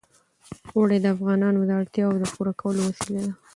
اوړي د افغانانو د اړتیاوو د پوره کولو وسیله ده.